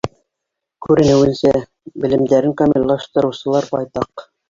Күренеүенсә, белемдәрен камиллаштырыусылар байтаҡ.